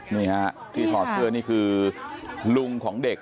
นี่ฮะที่ถอดเสื้อนี่คือลุงของเด็ก